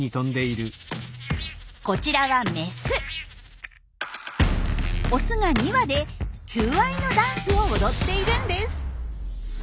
こちらはオスが２羽で求愛のダンスを踊っているんです。